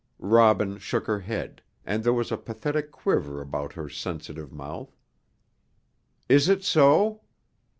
Robin shook her head, and there was a pathetic quiver about her sensitive mouth. "Is it so?